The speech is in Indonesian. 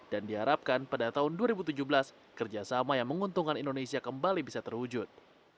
dan diharapkan pada tahun dua ribu tujuh belas kerjasama yang menguntungkan indonesia kembali bisa terwujud